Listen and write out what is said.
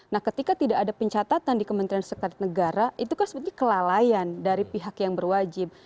nah ketika tidak ada pencatatan di kementerian sekretariat negara itu kan sebetulnya kelalaian dari pihak yang berwajib